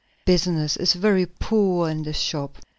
"Business is very poor in this shop."